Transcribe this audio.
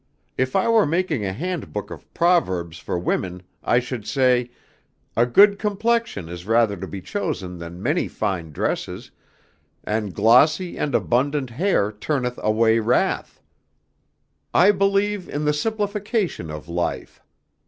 If I were making a handbook of proverbs for women, I should say, 'A good complexion is rather to be chosen than many fine dresses, and glossy and abundant hair turneth away wrath.' I believe in the simplification of life.